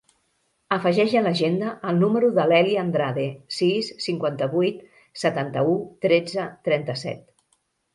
Afegeix a l'agenda el número de l'Èlia Andrade: sis, cinquanta-vuit, setanta-u, tretze, trenta-set.